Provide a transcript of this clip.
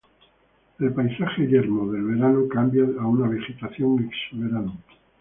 El paisaje yermo del verano cambia a una vegetación exuberante.